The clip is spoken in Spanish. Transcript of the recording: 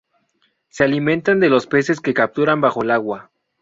Se alimentan de los peces que capturan bajo el agua.